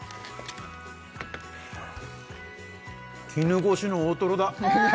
絹ごしの大とろだ